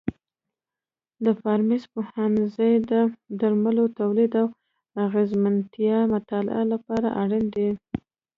د فارمسي پوهنځی د درملو تولید او اغیزمنتیا مطالعې لپاره اړین دی.